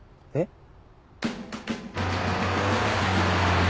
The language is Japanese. えっ？